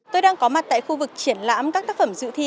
tôi đang có mặt tại khu vực triển lãm các tác phẩm dự thi